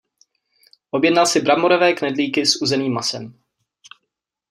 Objednal si bramborové knedlíky s uzeným masem.